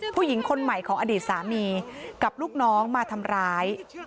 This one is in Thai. ผู้หญิงคนใหม่ของอดีตสามีกับลูกน้องมาทำร้าย